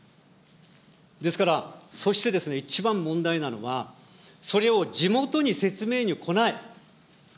ですから、そしてですね、一番問題なのはそれを地元に説明に来ない。